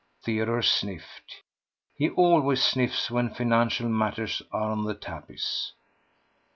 Theodore sniffed. He always sniffs when financial matters are on the tapis.